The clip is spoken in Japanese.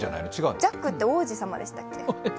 ジャックって王子様でしたっけ？